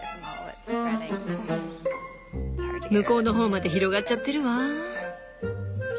向こうの方まで広がっちゃってるわ。